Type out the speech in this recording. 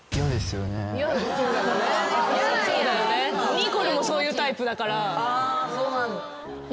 ニコルもそういうタイプだから。